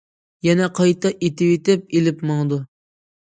يەنە قايتا ئېتىۋېتىپ ئېلىپ ماڭىدۇ.